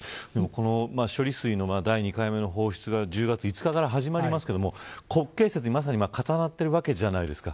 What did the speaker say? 処理水の２回目の放出が１０月５日から始まりますが国慶節と、まさに重なっているわけじゃないですか。